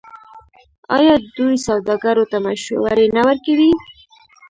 آیا دوی سوداګرو ته مشورې نه ورکوي؟